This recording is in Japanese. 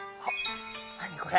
何これ？